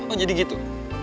oh jadi gitu